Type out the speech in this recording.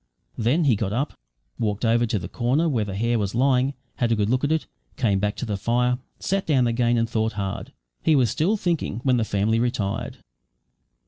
Then he got up, walked over to the corner where the hare was lying, had a good look at it, came back to the fire, sat down again, and thought hard. He was still thinking when the family retired.